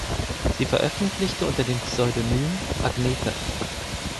Sie veröffentlichte unter dem Pseudonym "Agneta".